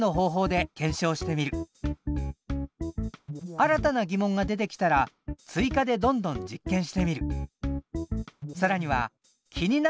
新たな疑問が出てきたら追加でどんどん実験してみる。